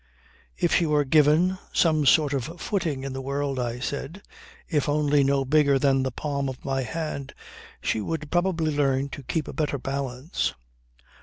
"If she were given some sort of footing in this world," I said, "if only no bigger than the palm of my hand, she would probably learn to keep a better balance."